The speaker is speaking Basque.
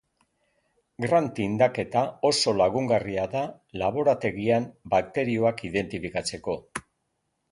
Gram tindaketa oso lagungarria da laborategian bakterioak identifikatzeko.